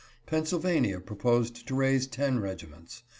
Pennsylvania proposed to raise ten regiments.